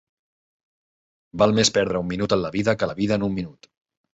Val més perdre un minut en la vida que la vida en un minut.